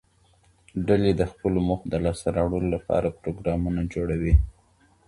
ډلي د خپلو موخو د لاسته راوړلو له پاره پروګرامونه جوړوي.